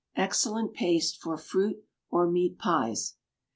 Excellent Paste for Fruit or Meat Pies.